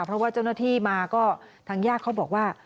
เพราะว่าเจ้าหน้าที่มาก็ทางญาติเขาบอกว่า